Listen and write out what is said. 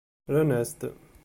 Rran-as-d.